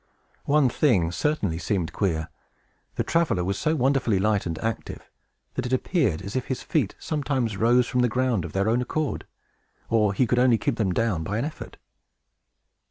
One thing, certainly, seemed queer. The traveler was so wonderfully light and active, that it appeared as if his feet sometimes rose from the ground of their own accord, or could only be kept down by an effort.